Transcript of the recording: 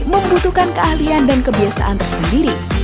membutuhkan keahlian dan kebiasaan tersendiri